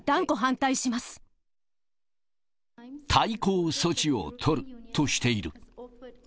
対抗措置を取るとしている。